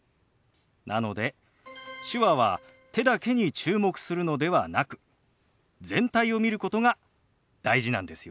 なので手話は手だけに注目するのではなく全体を見ることが大事なんですよ。